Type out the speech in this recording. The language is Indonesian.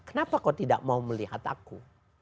kenapa kau tidak mau melihat aku